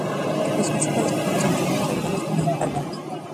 Los principales cultivos son los olivos, avellanos y almendros.